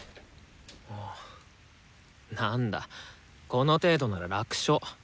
なんだこの程度なら楽勝。